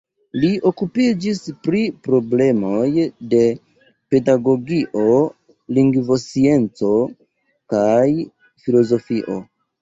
Li okupiĝis pri problemoj de pedagogio, lingvoscienco kaj filozofio.